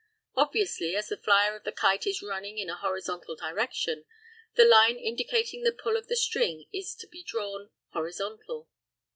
Obviously, as the flyer of the kite is running in a horizontal direction, the line indicating the pull of the string is to be drawn horizontal.